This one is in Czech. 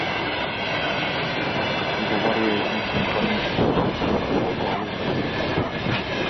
Pivovar je jedním z nejslavnějších producentů alkoholu v Mexiku.